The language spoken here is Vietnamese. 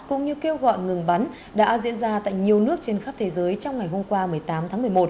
cũng như kêu gọi ngừng bắn đã diễn ra tại nhiều nước trên khắp thế giới trong ngày hôm qua một mươi tám tháng một mươi một